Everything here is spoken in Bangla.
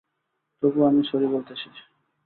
তবুও আমি স্যরি বলতে এসেছি।